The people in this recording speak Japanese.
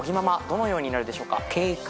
どのようになるでしょうか？